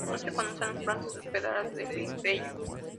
No se conocen las plantas hospederas de "W. bella".